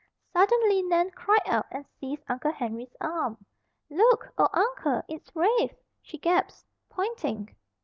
Suddenly Nan cried out and seized Uncle Henry's arm. "Look! Oh, Uncle! It's Rafe!" she gasped, pointing.